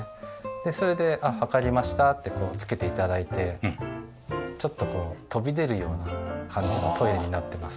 でそれで「あっわかりました」ってつけて頂いてちょっと飛び出るような感じのトイレになってます。